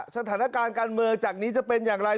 สถานการณ์การเมืองจากนี้จะเป็นอย่างไร